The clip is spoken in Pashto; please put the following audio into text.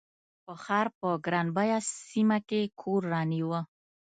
په ښار په ګران بیه سیمه کې کور رانیوه.